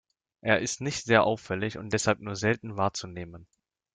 Er ist nicht sehr auffällig und deshalb nur selten wahrzunehmen.